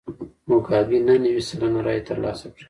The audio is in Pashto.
موګابي نهه نوي سلنه رایې ترلاسه کړې.